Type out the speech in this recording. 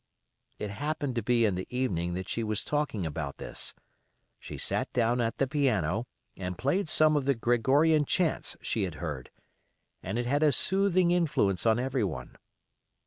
It happened to be in the evening that she was talking about this. She sat down at the piano, and played some of the Gregorian chants she had heard, and it had a soothing influence on everyone.